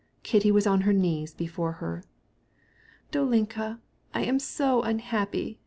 Kitty was on her knees before her. "Dolinka, I am so, so wretched!"